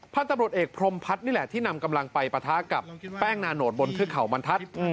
ตำรวจเอกพรมพัฒน์นี่แหละที่นำกำลังไปปะทะกับแป้งนาโนตบนเทือกเขาบรรทัศน์